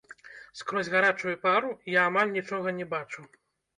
Скрозь гарачую пару я амаль нічога не бачу.